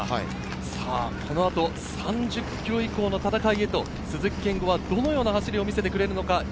このあと３０ｋｍ以降の戦いへと鈴木健吾はどのような走りを見せてくれるのか。